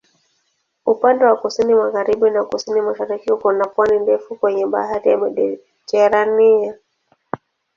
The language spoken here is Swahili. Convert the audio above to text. Upande wa kusini-magharibi na kusini-mashariki kuna pwani ndefu kwenye Bahari ya Mediteranea.